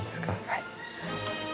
はい。